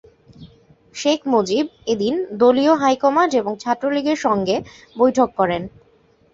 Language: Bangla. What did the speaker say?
শেখ মুজিব এদিন দলীয় হাইকমান্ড এবং ছাত্রলীগের সঙ্গে বৈঠক করেন।